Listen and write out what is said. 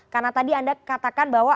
karena tadi anda katakan bahwa